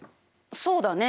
そうだね。